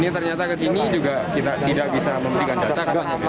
ternyata ke sini juga kita tidak bisa memberikan data